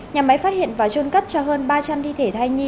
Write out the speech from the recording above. nhà máy phát hiện và trôn cất cho hơn ba trăm linh thi thể thai nhi